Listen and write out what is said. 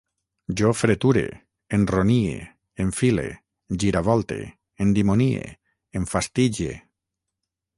Jo freture, enronie, enfile, giravolte, endimonie, enfastige